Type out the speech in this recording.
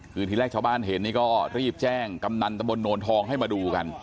คือทีแรกชาวบ้านเห็นนี่ก็รีบแจ้งกำนันตะบนโนนทองให้มาดูกัน